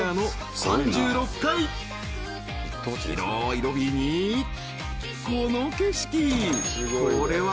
広いロビーにこの景色